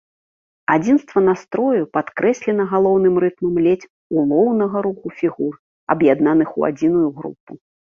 Адзінства настрою падкрэслена галоўным рытмам ледзь улоўнага руху фігур, аб'яднаных у адзіную групу.